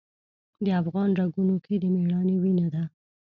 د افغان رګونو کې د میړانې وینه ده.